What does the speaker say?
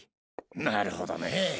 なるほどねぇ。